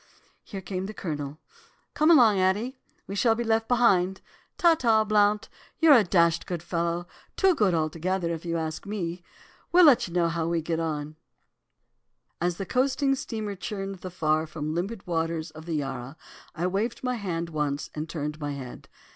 "Here came the Colonel. 'Come along, Addie, we shall be left behind. Ta ta, Blount, you're a dashed good fellow, too good altogether, if you ask me. We'll let you know how we get on.' "As the coasting steamer churned the far from limpid waters of the Yarra, I waved my hand once and turned my head.